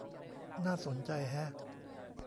น่าสนใจแฮะ